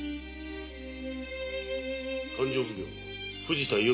勘定奉行・藤田伊予